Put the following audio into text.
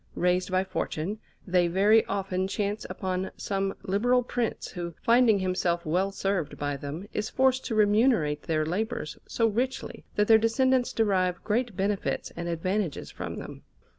Raised by fortune, they very often chance upon some liberal Prince, who, finding himself well served by them, is forced to remunerate their labours so richly that their descendants derive great benefits and advantages from them.